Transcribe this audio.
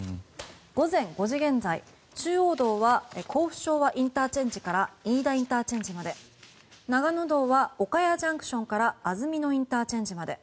午前５時現在、中央道は甲府昭和ＩＣから飯田ＩＣまで長野道は岡谷ＪＣＴから安曇野ＩＣまで。